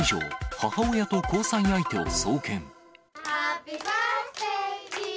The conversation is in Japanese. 母親と交際相手を送検。